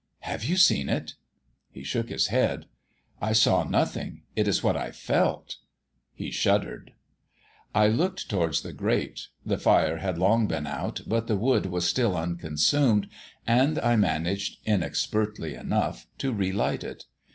"Have you seen it?" He shook his head. "I saw nothing; it is what I felt." He shuddered. I looked towards the grate. The fire had long been out, but the wood was still unconsumed, and I managed, inexpertly enough, to relight it.